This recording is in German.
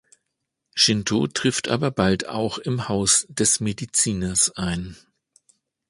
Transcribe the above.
Shinto trifft aber bald auch im Haus des Mediziners ein.